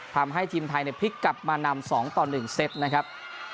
ทำให้ทีมไทยพลิกกลับมานำ๒ต่อ๑เซตนะครับ